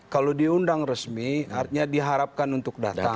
kalau diundang resmi artinya diharapkan untuk datang